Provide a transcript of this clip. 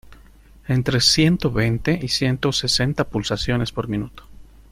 entre ciento veinte y ciento sesenta pulsaciones por minuto.